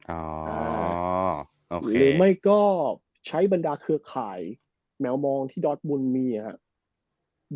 อ๋อโอเคหรือไม่ก็ใช้บรรดาเครือข่ายแมวมองที่ดอสวนมีอ่ะฮะ